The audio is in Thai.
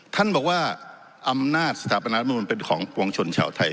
ท่านบอกว่าอำนาจสถาปนารัฐมนุนเป็นของปวงชนชาวไทย